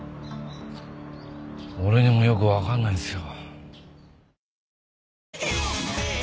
俺にもよくわかんないんすよ。